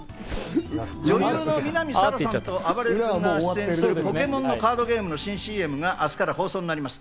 女優の南沙良さんと、あばれる君が出演するポケモンのカードゲームの新ＣＭが明日から放送になります。